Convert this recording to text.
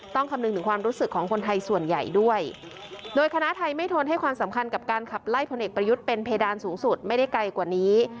คำนึงถึงความรู้สึกของคนไทยส่วนใหญ่ด้วยโดยคณะไทยไม่ทนให้ความสำคัญกับการขับไล่พลเอกประยุทธ์เป็นเพดานสูงสุดไม่ได้ไกลกว่านี้